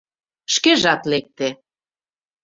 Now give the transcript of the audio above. Шкежат лекте.